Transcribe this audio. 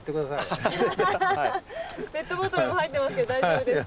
ペットボトルが入ってますけど大丈夫ですか？